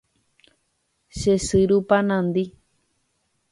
che sy rupa nandi